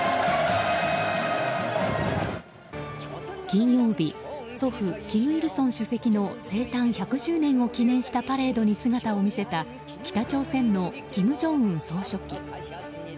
金曜日、祖父・金日成主席の生誕１１０年を記念したパレードに姿を見せた北朝鮮の金正恩総書記。